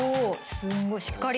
すんごいしっかり。